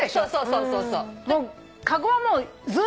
そうそうそう。